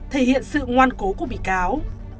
thể hiện sự ngoan cố của bị cáo